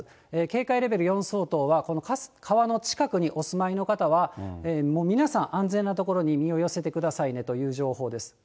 警戒レベル４相当は、この川の近くにお住まいの方は、皆さん、安全な所に身を寄せてくださいねという情報です。